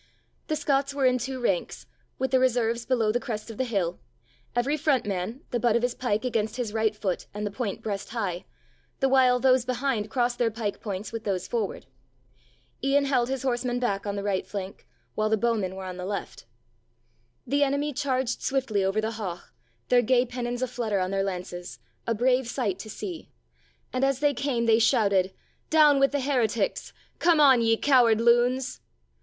The Scots were in two ranks, with the reserves below the crest of the hill, every front man, the butt of his pike against his right foot and the point breast high, the while those behind crossed their pike points with those forward. Ian held his horsemen back on the right flank, while the bowmen were on the left. The enemy charged swiftly over the haugh, their gay pennons a flutter on their lances, a brave sight to see. And as they came they shouted; "Down with the heretics; come on, ye coward loons."